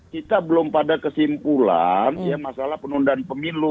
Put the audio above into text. kita belum pada kesimpulan ya masalah penundaan pemilu